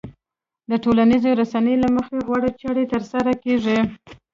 د ټولنيزو رسنيو له مخې غوره چارې ترسره کېږي.